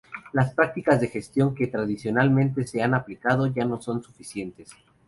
Las prácticas de gestión que tradicionalmente se han aplicado ya no son suficientes.